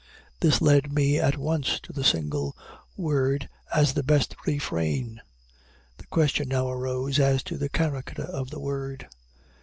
This led me at once to a single word as the best refrain. The question now arose as to the character of the word.